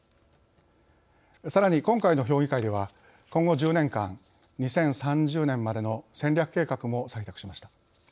さらに今回の評議会では今後１０年間、２０３０年までの戦略計画も採択しました。